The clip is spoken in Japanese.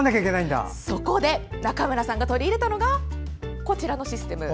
そこで、中村さんが取り入れたのがこちらのシステム。